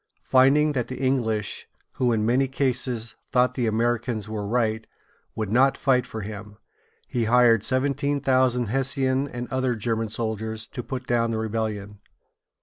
Finding that the English, who in many cases thought the Americans were right, would not fight for him, he hired seventeen thousand Hessian and other German soldiers to put down the rebellion.